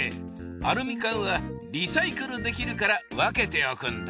アルミ缶はリサイクルできるから分けておくんだ。